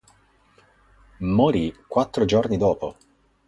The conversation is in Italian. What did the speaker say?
Morì quattro giorni dopo.